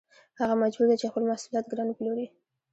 هغه مجبور دی چې خپل محصولات ګران وپلوري